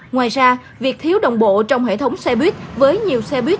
ngoài ra việc thiếu đồng bộ trong hệ thống xe buýt với nhiều xe buýt